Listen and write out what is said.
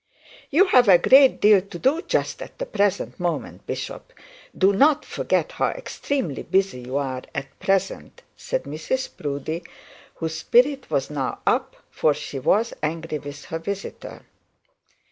'You have a great deal to do just at the present moment, bishop. Do not forget how extremely busy you are at present,' said Mrs Proudie, whose spirit was now up; for she was angry with her visitor.